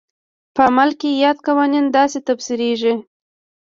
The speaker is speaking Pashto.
په عمل کې یاد قوانین داسې تفسیرېږي.